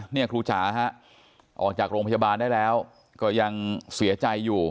เนี่ยครูจ๋าฮะออกจากโรงพยาบาลได้แล้วก็ยังเสียใจอยู่